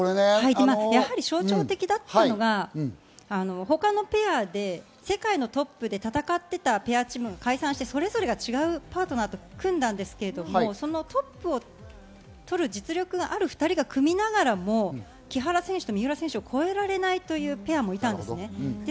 象徴的だったのが他のペアで世界のトップで戦っていたペアチームが解散して、それぞれ違うパートナーと組んだんですけれど、そのトップを取る実力がある２人が組みながらも木原選手、三浦選手を超えられないというペアもいたんです。